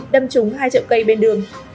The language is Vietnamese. đâm trúng hai triệu cây bên đường